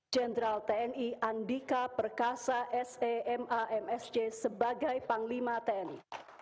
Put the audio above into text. jenderal tni andika perkasa semamsj sebagai panglima tni